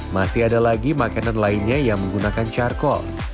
masih ada lagi makanan lainnya yang menggunakan jarkol